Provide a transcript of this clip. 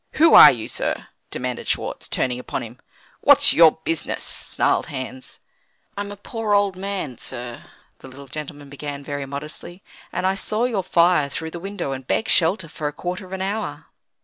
"Who are you, sir?" demanded Schwartz, turning upon him. "What's your business?" snarled Hans. "I'm a poor, old man, sir," the little gentleman began very modestly, "and I saw your fire through the window, and begged shelter for a quarter of an hour."